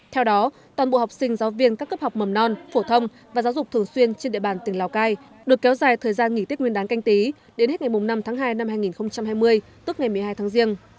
theo đó toàn bộ học sinh giáo viên các cấp học mầm non phổ thông và giáo dục thường xuyên trên địa bàn tỉnh lào cai được kéo dài thời gian nghỉ tiết nguyên đáng canh tí đến hết ngày năm tháng hai năm hai nghìn hai mươi tức ngày một mươi hai tháng riêng